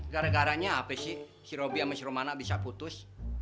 gara garanya apa sih si roby sama si romana bisa putus